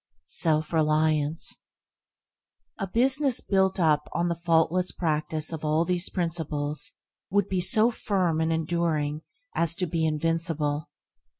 Self reliance A business built up on the faultless practice of all these principles would be so firm and enduring as to be invincible.